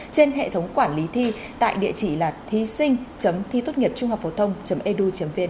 trên hệ thống quản lý thi tại địa chỉ là thising thitotnghiệpchunghocphothong edu vn